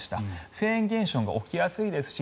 フェーン現象が起きやすいですし